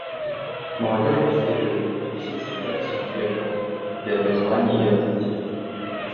К молодежи следует относиться как к субъектам преобразований и развития.